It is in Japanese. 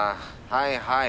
はいはい。